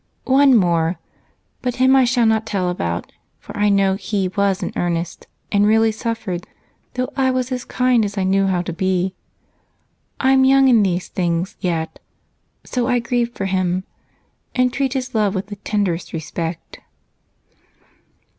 "One more but him I shall not tell about, for I know he was in earnest and really suffered, though I was as kind as I knew how to be. I'm young in these things yet, so I grieved for him, and treat his love with the tenderest respect."